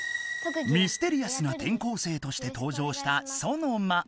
ミステリアスなてん校生としてとう場したソノマ。